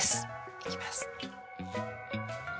いきます。